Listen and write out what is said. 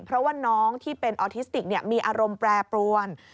เพราะว่าน้องที่เป็นออทิสติกมีอารมณ์แปรปรวน